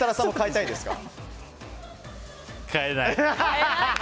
変えない。